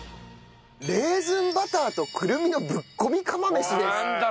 レーズンバターとくるみのぶっこみ釜飯です。